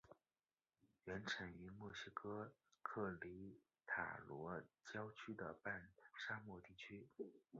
原产于墨西哥克雷塔罗郊区的半沙漠地区。